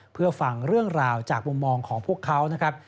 เพื่อฟังเรื่องราวจากมุมมองของพวกเขานะครับ